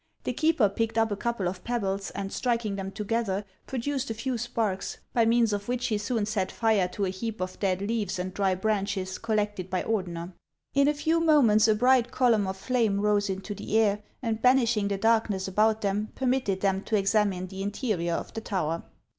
The keeper picked up a couple of pebbles, and striking them together, pro duced a few sparks, by means of which he soon set fire to a heap of dead leaves and dry branches collected by Ordener. In a few moments a bright column of flame rose into the air, and banishing the darkness about them, permitted them to examine the interior of the tower.